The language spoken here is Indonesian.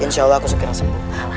insya allah aku segera sembuh